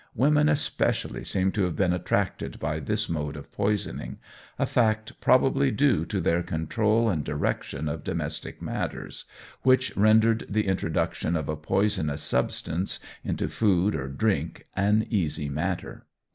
Women especially seem to have been attracted by this mode of poisoning, a fact probably due to their control and direction of domestic matters, which rendered the introduction of a poisonous substance into food or drink an easy matter.